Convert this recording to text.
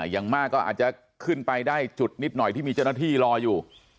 อย่างมากก็อาจจะขึ้นไปได้จุดนิดหน่อยที่มีเจ้าหน้าที่รออยู่